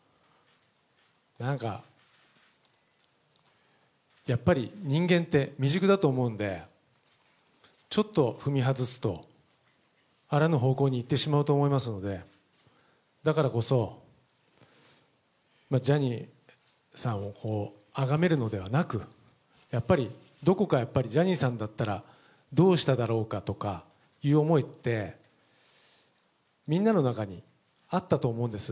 なんかやっぱり人間って、未熟だと思うんで、ちょっと踏み外すと、あらぬ方向に行ってしまうと思いますので、だからこそ、ジャニーさんをあがめるのではなく、やっぱり、どこかやっぱりジャニーさんだったらどうしただろうかとかという思いって、みんなの中にあったと思うんです。